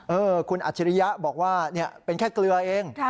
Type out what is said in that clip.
เออคุณอัจฉริยะบอกว่าเป็นแค่เกลือเอง